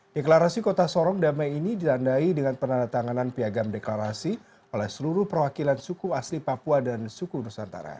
deklarasi kota sorong damai ini ditandai dengan penandatanganan piagam deklarasi oleh seluruh perwakilan suku asli papua dan suku nusantara